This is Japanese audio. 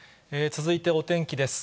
続いてお天気です。